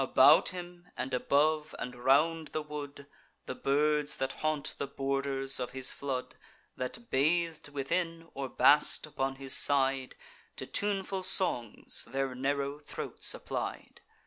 About him, and above, and round the wood, The birds that haunt the borders of his flood, That bath'd within, or basked upon his side, To tuneful songs their narrow throats applied.